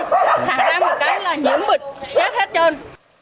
hả ra một cái là nhiễm bệnh chết hết trơn